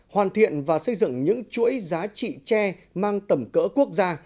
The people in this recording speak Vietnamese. hoàn thiện và xây dựng những chuỗi giá trị tre mang tầm cỡ quốc gia